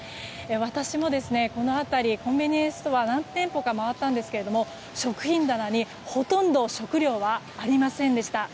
私も、この辺りコンビニエンスストアを何店舗か回ったんですけれども食品棚に、ほとんど食料はありませんでした。